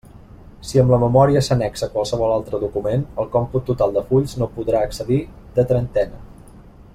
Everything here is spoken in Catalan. Si amb la memòria s'annexa qualsevol altre document, el còmput total de fulls no podrà excedir de trenta.